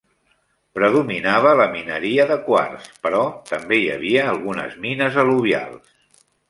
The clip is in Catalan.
Predominava la mineria de quars, però també hi havia algunes mines al·luvials.